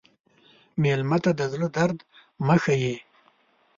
مېلمه ته د زړه درد مه ښیې.